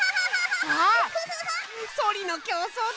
あっそりのきょうそうだ！